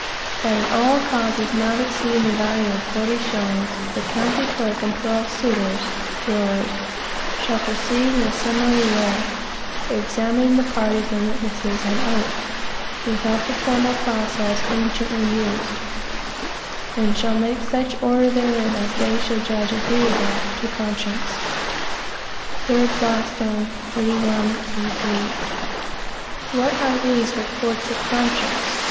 That in all causes not exceeding the value of forty shillings, the county clerk and twelve suitors (jurors) shll proceed in a summary way, examining the parties and witnesses on oath, without the formal process anciently used; and shall make such order therein as they shall judge agreeable to conscience." 3 Blackstone, 81 83. What are these but courts of conscience?